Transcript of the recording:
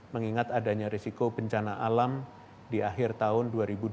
mengingat adanya risiko bencana alam di akhir tahun dua ribu dua puluh